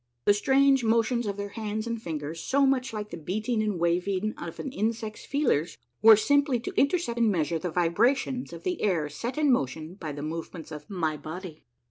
The strange motions of their hands and fingers, so much like the beating and waving of an insect's feelers, were simply to intercept and measure the vibrations of the air set in motion by the movements of my body.